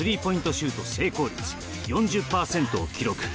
シュート成功率４０％を記録。